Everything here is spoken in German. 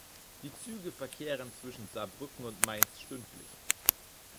Die Züge verkehren zwischen Saarbrücken und Mainz stündlich.